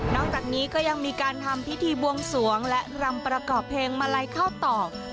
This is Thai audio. จากนี้ก็ยังมีการทำพิธีบวงสวงและรำประกอบเพลงมาลัยข้าวตอก